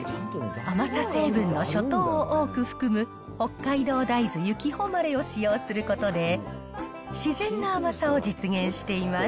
甘さ成分のショ糖を多く含む北海道大豆、ユキホマレを使用することで、自然な甘さを実現しています。